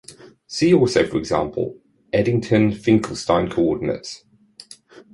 See also for example Eddington-Finkelstein coordinates.